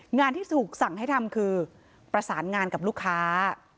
งานที่ถูกสั่งให้ทำคือประสานงานกับลูกค้า